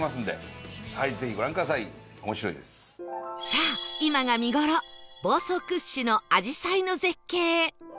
さあ今が見頃房総屈指のあじさいの絶景へ